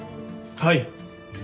はい。